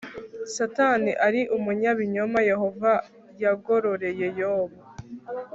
Satani ari umunyabinyoma Yehova yagororeye Yobu